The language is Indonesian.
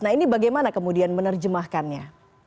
nah ini bagaimana kemudian menerjemahkannya